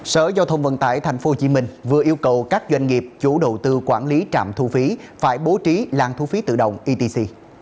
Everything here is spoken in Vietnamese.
sở giao thông vận tải tp hcm vừa yêu cầu các doanh nghiệp chủ đầu tư quản lý trạm thu phí phải bố trí làng thu phí tự động etc